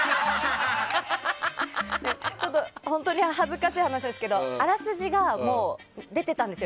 ちょっと本当に恥ずかしい話ですけどあらすじがもう出てたんですよ